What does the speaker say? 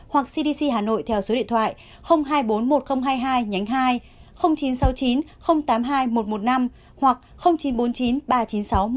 hoặc cdc hà nội theo số điện thoại hai trăm bốn mươi một nghìn hai mươi hai nhánh hai chín trăm sáu mươi chín tám mươi hai một trăm một mươi năm hoặc chín trăm bốn mươi chín ba trăm chín mươi sáu một nghìn bảy